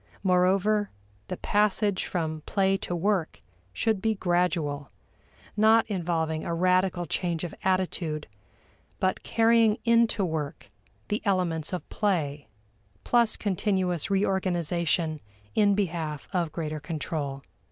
Moreover, the passage from play to work should be gradual, not involving a radical change of attitude but carrying into work the elements of play, plus continuous reorganization in behalf of greater control.